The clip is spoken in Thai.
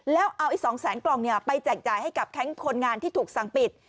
แล้วเอา๒แสนกล่องไปแจกจ่ายให้กับแคมป์คนงานที่ถูกสั่งปิด